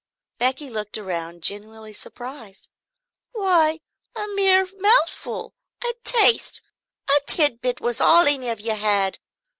Becky looked around genuinely surprised. "Why a mere mouthful, a taste, a tidbit, was all any of you had.